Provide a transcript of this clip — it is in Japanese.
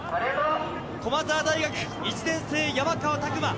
駒澤大学１年生・山川拓馬。